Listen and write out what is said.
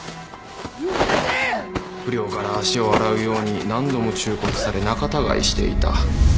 うっせえ！不良から足を洗うように何度も忠告され仲たがいしていた。